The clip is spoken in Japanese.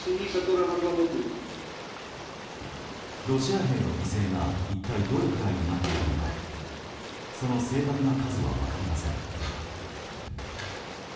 ロシア兵の犠牲が一体どれくらいになっているのかその正確な数は分かりません。